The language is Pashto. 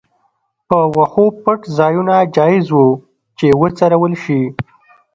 په وښو پټ ځایونه جایز وو چې وڅرول شي.